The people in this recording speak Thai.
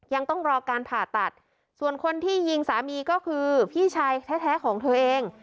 ยังต้องรอการผ่าตัดส่วนคนที่ยิงสามีก็คือพี่ชายแท้ของเธอเอง